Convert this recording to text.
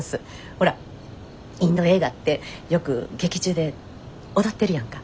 ほらインド映画ってよく劇中で踊ってるやんか。